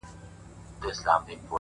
سیاه پوسي ده؛ خُم چپه پروت دی؛